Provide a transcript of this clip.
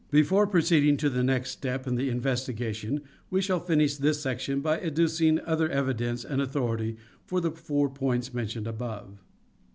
Before proceeding to the next step in the investigation we shall finish this section by adducing other evidence and authority for the four points mentioned above.